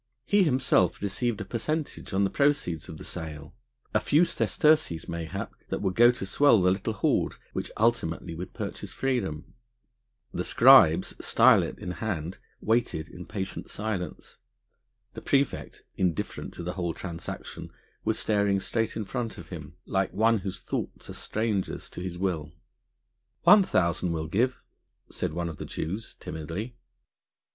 He himself received a percentage on the proceeds of the sale, a few sesterces mayhap that would go to swell the little hoard which ultimately would purchase freedom. The scribes stilet in hand waited in patient silence. The praefect, indifferent to the whole transaction, was staring straight in front of him, like one whose thoughts are strangers to his will. "One thousand we'll give," said one of the Jews timidly.